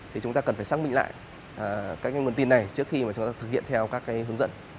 thì chúng ta cần phải xác định lại các nguồn tin này trước khi mà chúng ta thực hiện theo các cái hướng dẫn